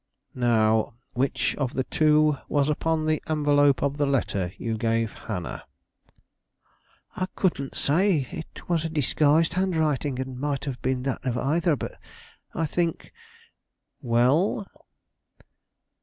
"Now, which of the two was upon the envelope of the letter you gave Hannah?" "I couldn't say. It was a disguised handwriting and might have been that of either; but I think " "Well?"